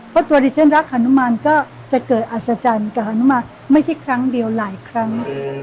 เพราะตัวดิฉันรักฮานุมานก็จะเกิดอัศจรรย์กับอนุมานไม่ใช่ครั้งเดียวหลายครั้ง